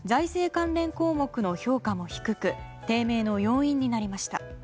関連項目の評価も低く低迷の要因になりました。